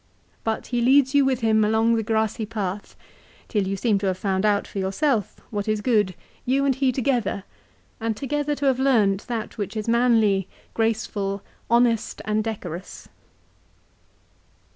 But he leads you with him along the grassy path, till you seem to have found out for yourself what is good, you and he together, and together to have learned that which is manly, graceful, honest, and decorous.